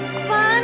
pan sih kan